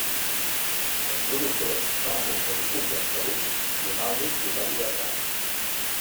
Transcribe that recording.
Els productors van aconseguir convèncer-lo donant-li total llibertat.